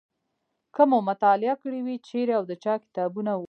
که مو مطالعه کړي وي چیرې او د چا کتابونه وو.